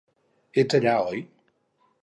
Ets allà, oi?